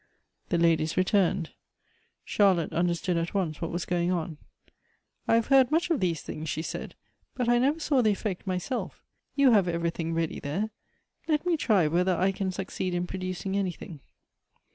The ladies returned. Charlotte understood at once what was going on. "I have heard much of these things," she said ;" but I never saw the effect myself 264 Goethe's You have everything ready there. Let me ti y whether I can succeed in producing anything."